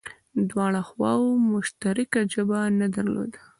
دواړو خواوو مشترکه ژبه نه درلوده